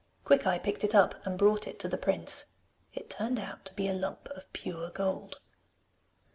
Quickeye picked it up and brought it to the prince. It turned out to be a lump of pure gold.